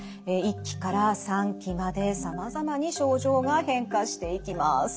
１期から３期までさまざまに症状が変化していきます。